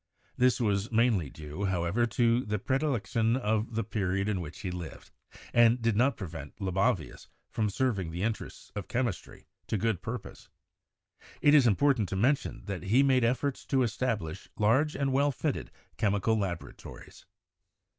This was mainly due, however, to the predilec tion of the period in which he lived, and did not prevent Libavius from serving the interests of chemistry to good purpose. It is important to mention that he made efforts to establish large and well fitted chemical laboratories.